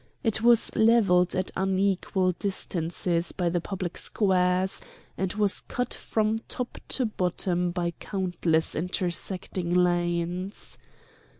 It was levelled at unequal distances by the public squares, and was cut from top to bottom by countless intersecting lanes.